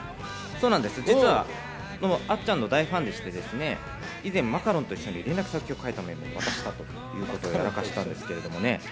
実はあっちゃんの大ファンでして、以前、マカロンと一緒に連絡先を書いたメモを渡したということなんですけどね。